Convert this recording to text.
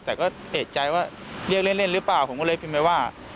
แต่ก็เอกใจว่าเรียกเล่นหรือเปล่าผมก็เลยพิมพ์ไปว่า